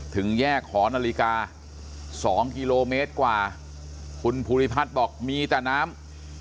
ถึงแยกหอนาฬิกา๒กิโลเมตรกว่าคุณภูริพัฒน์บอกมีแต่น้ำ